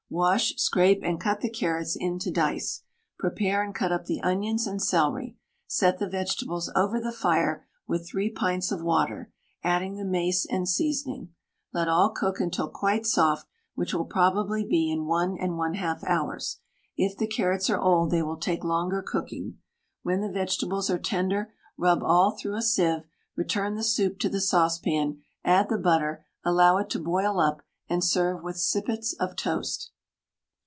Wash, scrape, and cut the carrots into dice. Prepare and cut up the onions and celery. Set the vegetables over the fire with 3 pints of water, adding the mace and seasoning. Let all cook until quite soft, which will probably be in 1 1/2 hours. If the carrots are old, they will take longer cooking. When the vegetables are tender, rub all through a sieve, return the soup to the saucepan, add the butter, allow it to boil up, and serve with sippets of toast.